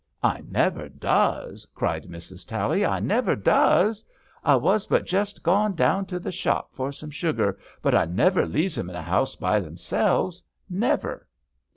" I never does," cried Mrs. Tally, " I never does. I was but just gone down to the shop for some sugar, but I never leaves 'em in the house by themselves — never